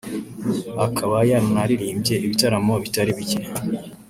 akaba yaranaririmbye ibitaramo bitari bike